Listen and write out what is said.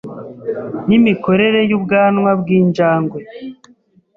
n’imikorere y’ubwanwa bw’injangwe